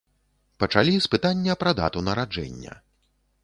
Пачалі з пытання пра дату нараджэння.